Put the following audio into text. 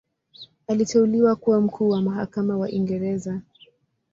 Aliteuliwa kuwa Mkuu wa Mahakama wa Uingereza.